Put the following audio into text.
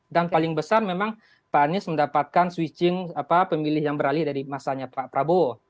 dan paling besar memang pak anis mendapatkan switching pemilih yang beralih dari masanya pak prabowo